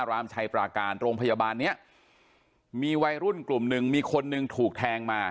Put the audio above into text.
รามชัยปราการโรงพยาบาลเนี้ยมีวัยรุ่นกลุ่มหนึ่งมีคนหนึ่งถูกแทงมา